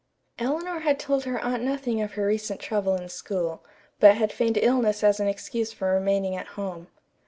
Eleanor had told her aunt nothing of her recent trouble in school, but had feigned illness as an excuse for remaining at home.